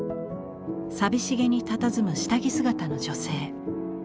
寂しげにたたずむ下着姿の女性。